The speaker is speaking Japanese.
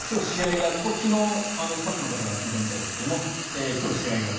昨日スタッフの方が聞いたみたいですが今日、試合がある。